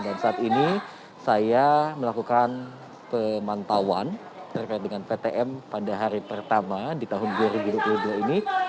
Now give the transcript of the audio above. saat ini saya melakukan pemantauan terkait dengan ptm pada hari pertama di tahun dua ribu dua puluh dua ini